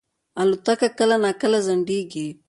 الوتکه کله ناکله ځنډېږي.